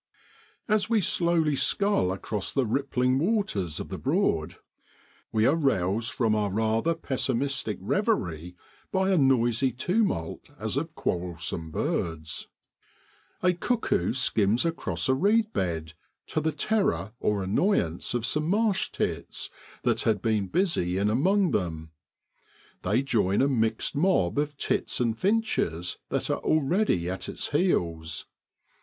As we slowly scull across the rippling waters of the Broad, we are roused from our rather pessimistic reverie by a noisy tumult as of quarrelsome birds : a cuckoo skims across a reed bed to the terror or annoyance of some marsh tits that had been busy in among them. They join a mixed mob of tits and finches that are already at its heels.